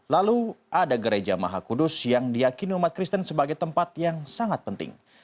lalu ada gereja maha kudus yang diakini umat kristen sebagai tempat yang sangat penting